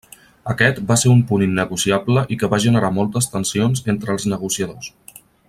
Aquest va ser un punt innegociable i que va generar moltes tensions entre els negociadors.